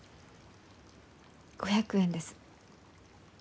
５００円です。